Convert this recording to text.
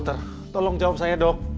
ter tolong jawab saya dok